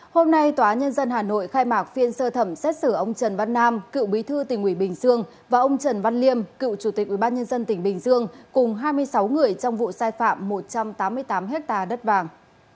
hôm nay tòa nhân dân hà nội khai mạc phiên sơ thẩm xét xử ông trần văn nam cựu bí thư tỉnh ủy bình dương và ông trần văn liêm cựu chủ tịch ubnd tỉnh bình dương cùng hai mươi sáu người trong vụ sai phạm một trăm tám mươi tám hectare đất vàng